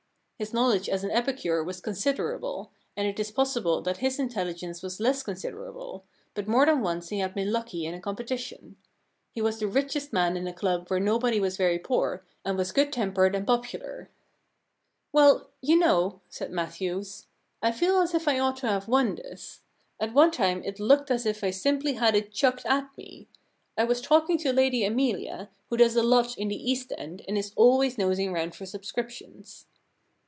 His knowledge as an epicure was considerable, and it is possible that his intelHgence was less considerable, but more than once he had been lucky in a competition. He was the richest man in a club where nobody was very poor, and was good tempered and popular. ' Well , you know,' said Matthews, * I feel P.O. 13 B The Problem Club as if I ought to have won this. At one time it looked as if I simply had it chucked at me. I was talking to Lady Amelia, who does a lot in the East End and is always nosing round for subscriptions.